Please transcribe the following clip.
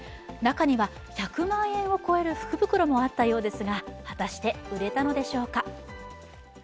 中には１００万円を超える福袋もあったようですが、果たして、売れたのでしょうか。